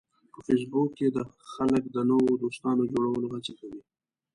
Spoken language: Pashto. په فېسبوک کې خلک د نوو دوستانو جوړولو هڅه کوي